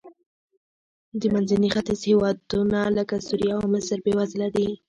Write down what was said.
د منځني ختیځ هېوادونه لکه سوریه او مصر بېوزله دي.